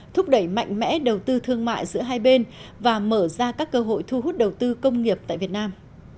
thúc đẩy mạnh mẽ đầu tư thương mại giữa hai bên và mở ra các cơ hội thu hút đầu tư công nghiệp tại việt nam